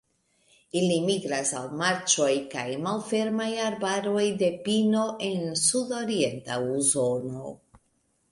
Ili migras al marĉoj kaj malfermaj arbaroj de pino en sudorienta Usono.